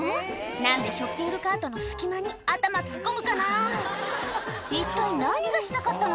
何でショッピングカートの隙間に頭突っ込むかな一体何がしたかったの？